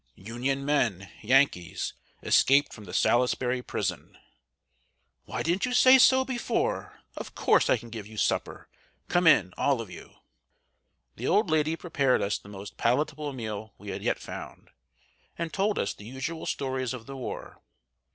"Union men Yankees, escaped from the Salisbury prison." "Why didn't you say so before? Of course I can give you supper! Come in, all of you!" The old lady prepared us the most palatable meal we had yet found, and told us the usual stories of the war.